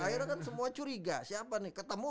akhirnya kan semua curiga siapa nih ketemu